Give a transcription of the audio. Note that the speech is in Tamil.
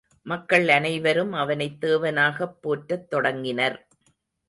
மக்கள் அனைவரும் அவனைத் தேவனாகப் போற்றத் தொடங்கினர்.